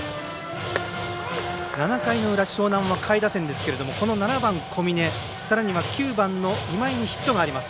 ７回の裏樟南は下位打線ですが７番の小峰さらには９番の今井にヒットがあります。